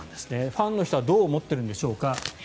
ファンの人はどう思っているんでしょうか。